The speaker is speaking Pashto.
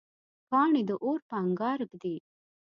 کاڼی د اور په انګار ږدي.